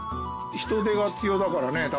人手が必要だからね。